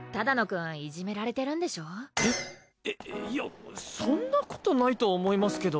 いいやそんなことないと思いますけど。